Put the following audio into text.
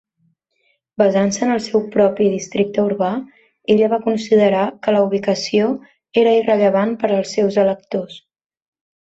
Basant-se en el seu propi districte urbà, ella va considerar que la ubicació era irrellevant per als seus electors.